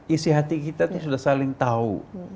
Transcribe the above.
isi hati kita itu sudah saling tahu